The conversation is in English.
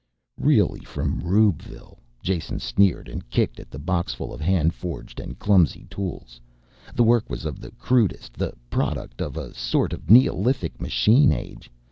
"Really from rubeville," Jason sneered and kicked at the boxful of hand forged and clumsy tools. The work was of the crudest, the product of a sort of neolithic machine age.